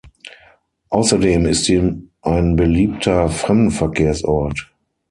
Außerdem ist sie ein beliebter Fremdenverkehrsort.